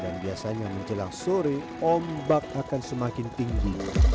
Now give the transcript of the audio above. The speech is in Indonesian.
dan biasanya menjelang sore ombak akan semakin tinggi